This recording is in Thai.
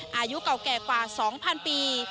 พรภนพนมมายาวนานอายุเก่าแก่กว่า๒๐๐๐ปี